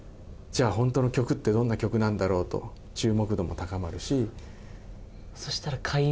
「じゃあホントの曲ってどんな曲なんだろう」と注目度も高まるし。